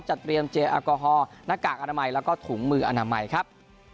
เตรียมเจลแอลกอฮอลหน้ากากอนามัยแล้วก็ถุงมืออนามัยครับ